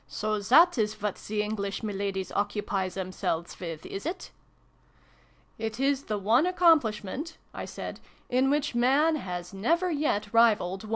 " So that is what the. English miladies occupy themselves with, is it ?"" It is the one accomplishment," I said, "in which Man has never yet rivaled Woman